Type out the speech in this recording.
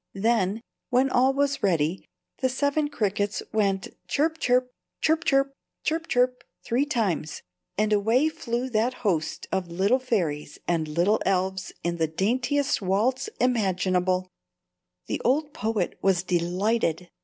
Then, when all was ready, the Seven Crickets went "chirp chirp, chirp chirp, chirp chirp," three times, and away flew that host of little fairies and little elves in the daintiest waltz imaginable: [Illustration: Musical notation] The old poet was delighted.